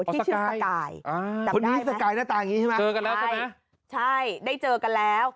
ที่ชื่อสกายจำได้ไหมอ๋อสกาย